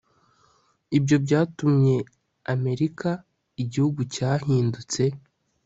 Ibyo byatumye Amerika igihugu cyahindutse